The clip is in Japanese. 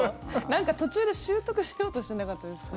なんか途中で習得しようとしてなかったですか？